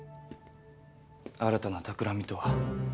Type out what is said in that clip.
新たなたくらみとは。